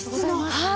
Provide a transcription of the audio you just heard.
はい。